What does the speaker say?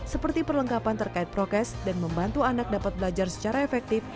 seperti perlengkapan terkait prokes dan membantu anak dapat belajar secara efektif